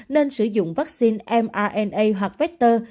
nên sử dụng vaccine mrna hoặc vector